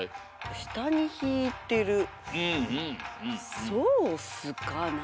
したにひいてるソースかな？